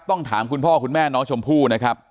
ต้องถามคุณพ่อคุณแม่น้องชมพู่นะครับ